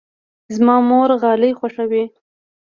زما مور غالۍ خوښوي.